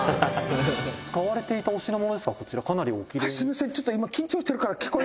「使われていたお品物ですがこちらかなりおきれい」「あっすみません。